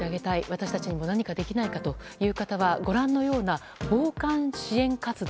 私たちにも何かできないかという方は、ご覧のような防寒支援活動。